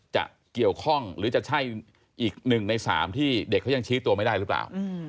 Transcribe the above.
จะเกี่ยวข้องหรือจะใช่อีก๑ใน๓ที่เด็กเขายังชี้ตัวไม่ได้หรือเปล่า